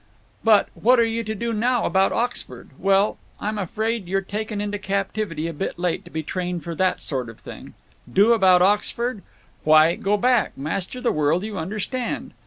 "But—what are you to do now about Oxford? Well, I'm afraid you're taken into captivity a bit late to be trained for that sort of thing. Do about Oxford? Why, go back, master the world you understand.